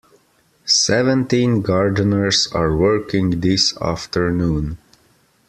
Seventeen gardeners are working this afternoon.